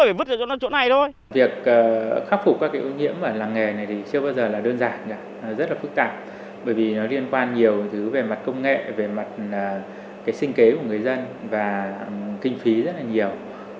bởi vì nó liên quan nhiều thứ về mặt công nghệ về mặt sinh kế của người dân và kinh phí rất là nhiều